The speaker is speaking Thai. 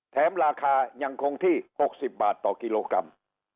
แถมราคายังคงที่หกสิบบาทต่อกิโลกรัม